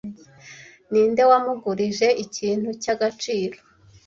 ninde wamugurije ikintu cy agaciro